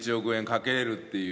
かけれるっていう。